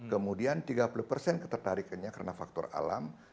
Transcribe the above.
kemudian tiga puluh persen ketertarikannya karena faktor alam